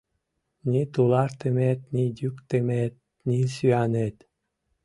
Ни тулартымет, ни йӱктымет, ни сӱанет...